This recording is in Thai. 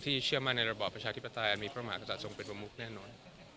ที่เชื่อมมั่นในระบอบประชาธิปตาอานมีภรรมหากศัตริย์ส่งเป็นบมพลุฟแน่นอน